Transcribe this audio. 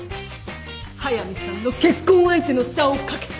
速見さんの結婚相手の座を懸けた。